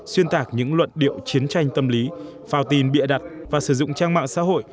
xuyên tạc những luận điệu chiến tranh tâm lý phao tin bịa đặt và sử dụng trang mạng xã hội